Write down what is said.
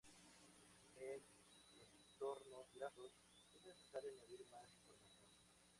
En entornos gráficos es necesario añadir más información.